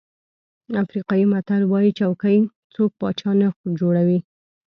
افریقایي متل وایي چوکۍ څوک پاچا نه جوړوي.